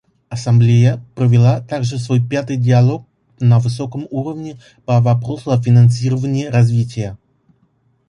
Ассамблея провела также свой пятый диалог на высоком уровне по вопросу о финансировании развития.